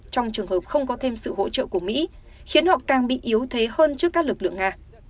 trong trường hợp không có thêm sự hỗ trợ của mỹ khiến họ càng bị yếu thế hơn trước các lực lượng nga